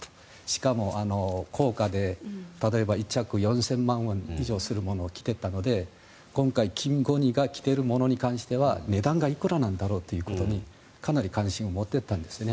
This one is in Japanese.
しかも、高価で例えば１着４０００万ウォン以上するものを着ていたので今回、キム・ゴンヒが着ているものに関しては値段がいくらなんだろうとかなり関心を持っていたんです。